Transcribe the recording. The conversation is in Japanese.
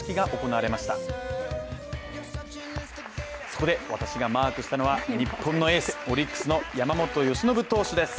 そこで私がマークしたのは日本のエースオリックスの山本由伸投手です。